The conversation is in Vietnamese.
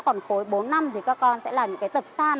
còn khối bốn năm thì các con sẽ làm những cái tập san